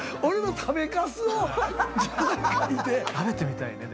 食べてみたいね。